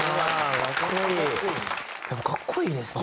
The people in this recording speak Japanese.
やっぱ格好いいですね。